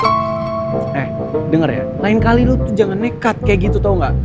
eh denger ya lain kali lu tuh jangan nekat kayak gitu tau gak